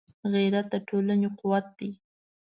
غیرت د ټولنې قوت دی